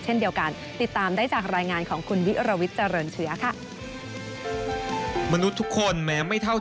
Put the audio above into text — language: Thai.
เช่นเดียวกันติดตามได้จากรายงานของคุณวิรวิทย์เจริญเชื้อค่ะ